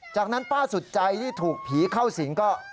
จากนั้นป้าสุดใจที่ถูกผีเข้าสิงก็